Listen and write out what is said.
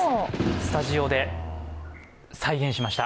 スタジオで再現しました。